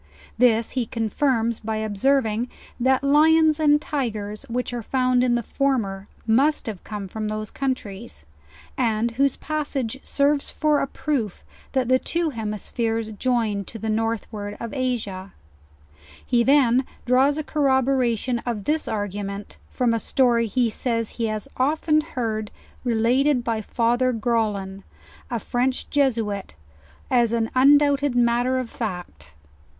This he confirms, by observing, that the lions and tigers which are found in the former, muet have come from those countries, and whoso passage serves for a proof that the the two hemispheres join to the north ward of Asia, He then draws a corroboration of this argu ment, from a story he says he has often heard related by Father Grollon, a French Jesuit, as an undoubted matter of fact.